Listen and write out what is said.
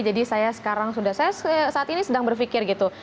jadi saya sekarang sudah saya saat ini sedang berpikir gitu